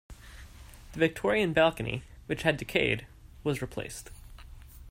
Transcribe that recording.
The Victorian balcony which had decayed was replaced.